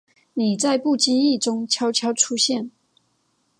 你在不经意中悄悄出现